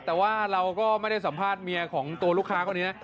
แต่ว่าเราก็ไม่ได้สัมภาษณ์เมียของตัวลูกค้าคนนี้นะ